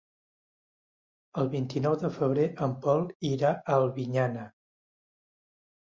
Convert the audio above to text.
El vint-i-nou de febrer en Pol irà a Albinyana.